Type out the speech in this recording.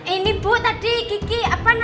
ini bu tadi